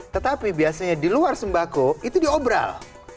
tetapi biasanya di luar sembako itu diobral